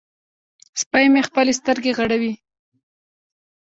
سپی مې خپلې سترګې غړوي.